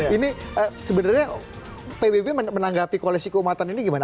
ini sebenarnya pbb menanggapi koalisi keumatan ini gimana